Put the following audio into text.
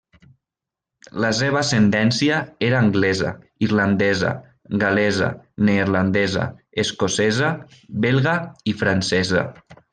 La seva ascendència era anglesa, irlandesa, gal·lesa, neerlandesa, escocesa, belga i francesa.